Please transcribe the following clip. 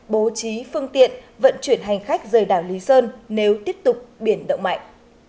bố trí phương tiện vận chuyển hành khách rời đảo lý sơn nếu tiếp tục biển động mạnh